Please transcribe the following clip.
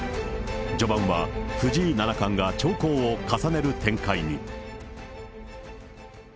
序盤は藤井七冠が長考を重ねる展開に。